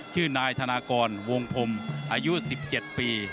ชื่อนายธนากรวงพรมอายุ๑๗ปี